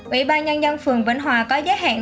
ủy ban nhân dân phường vĩnh hòa có giấy hẹn